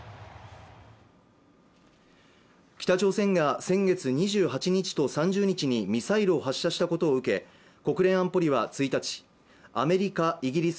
北朝鮮が先月２８日と３０日にミサイルを発射したことを受け国連安保理は１日アメリカイギリス